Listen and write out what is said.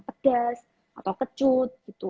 pedas atau kecut